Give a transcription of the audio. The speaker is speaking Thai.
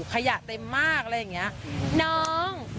ขยะเต็มมากอะไรอย่างนี้น้อง